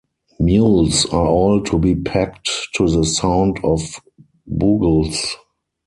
Mules are all to be packed to the sound of bugles.